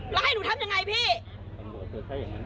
แล้วให้หนูทำยังไงพี่